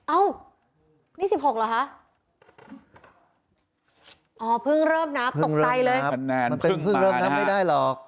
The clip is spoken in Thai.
อ้าวนี่สิบหกเหรอฮะอ๋อเพิ่งเริ่มนับตกใจเลยมันเป็นเพิ่งเริ่มนับไม่ได้หรอก